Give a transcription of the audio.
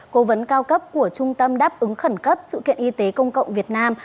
cố vấn cao cấp của trung tâm đáp ứng khẩn cấp sự kiện y tế công cộng việt nam